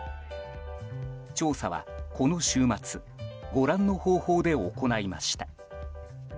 調査は、この週末ご覧の方法で行いました。